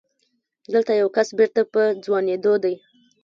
دلته يو کس بېرته په ځوانېدو دی.